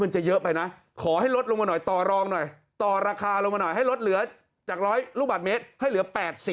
จะเยอะไปนะขอให้ลดลงมาหน่อยต่อรองหน่อยต่อราคาลงมาหน่อยให้ลดเหลือจาก๑๐๐ลูกบาทเมตรให้เหลือ๘๐